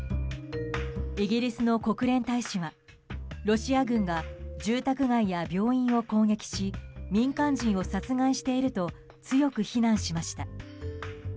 イギリスの国連大使はロシア軍が住宅街や病院を攻撃し民間人を殺害していると強く非難しました。